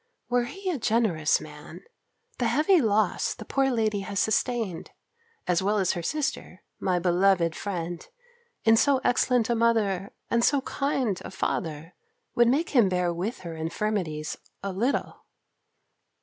Were he a generous man, the heavy loss the poor lady has sustained, as well as her sister, my beloved friend, in so excellent a mother, and so kind a father, would make him bear with her infirmities a little.